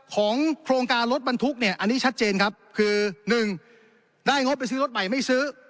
ของโครงการรถบรรทุกเนี่ยอันนี้ชัดเจนครับคือหนึ่งได้งบไปซื้อรถใหม่ไม่ซื้อ